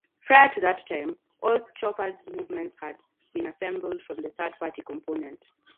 Prior to that time, all Chopard's movements had been assembled from third party components.